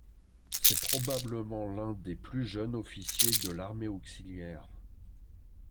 C'est probablement l’un des plus jeunes officiers de l’armée auxiliaire.